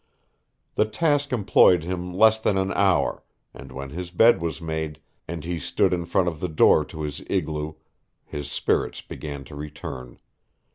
The task employed him less than an hour, and when his bed was made, and he stood in front of the door to his igloo, his spirits began to return.